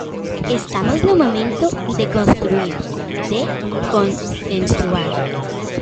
Estamos no momento de construír, de consensuar.